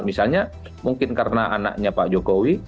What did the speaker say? misalnya mungkin karena anaknya pak jokowi